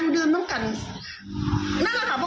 ขณะเดียวกันคุณอ้อยคนที่เป็นเมียฝรั่งคนนั้นแหละ